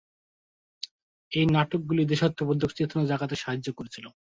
এই নাটকগুলি দেশাত্মবোধক চেতনা জাগাতে সাহায্য করেছিল।